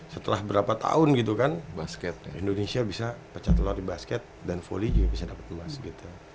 setelah berapa tahun gitu kan basket indonesia bisa pecah telur di basket dan volley juga bisa dapat emas gitu